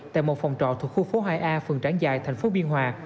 tại một phòng trọ thuộc khu phố hai a phường trảng giài thành phố biên hòa